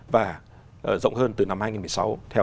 và rộng hơn từ năm hai nghìn một mươi sáu theo